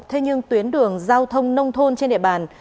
thế nhưng tuyến đường giao thông nông thôn trên địa bàn